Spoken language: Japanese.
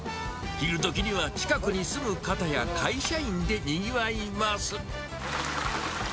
昼どきには、近くに住む方や会社員でにぎわいます。